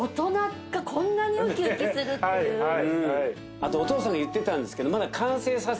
あとお父さんが言ってたんですけど。